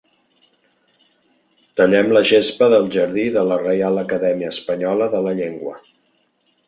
Tallem la gespa del jardí de la Reial Acadèmia Espanyola de la llengua.